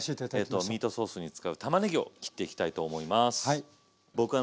ミートソースに使うたまねぎを切っていきたいと思います。